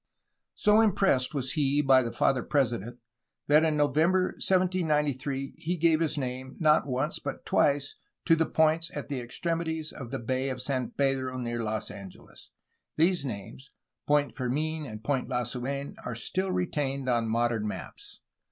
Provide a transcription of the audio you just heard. So impressed was he by the Father President that in Novem ber 1793 he gave his name, not once but twice, to the points at the extremities of the Bay of San Pedro, near Los Angeles. These names, "Point Fermin^' and "Point Lasuen," are still retained on modern maps.